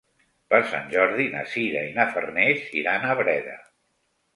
Per Sant Jordi na Sira i na Farners iran a Breda.